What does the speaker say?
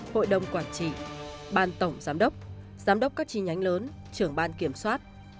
hội đồng quản trị ban tổng giám đốc giám đốc các chi nhánh lớn trưởng ban kiểm soát